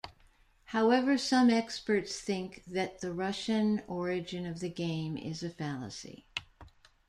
However some experts think that the Russian origin of the game is a fallacy.